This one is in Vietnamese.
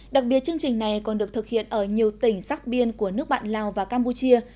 đặc biệt chương trình này còn được thực hiện ở nhiều tỉnh sắc biên của nước bạn lào và campuchia